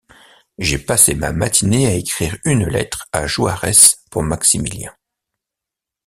J’ai passé ma matinée à écrire une lettre à Juarez pour Maximilien.